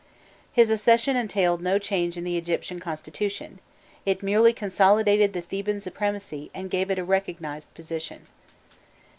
His accession entailed no change in the Egyptian constitution; it merely consolidated the Theban supremacy, and gave it a recognized position.